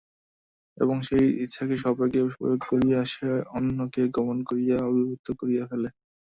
এবং সেই ইচ্ছাকে সবেগে প্রয়োগ করিয়া সে অন্যকে কেমন করিয়া অভিভূত করিয়া ফেলে!